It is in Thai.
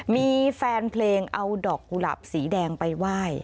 มีแฟนเพลงเอาดอกกุหลาบสีแดงไปไหว้